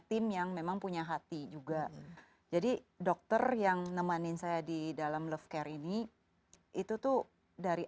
tim yang memang punya hati juga jadi dokter yang nemanin saya di dalam love care ini itu tuh dari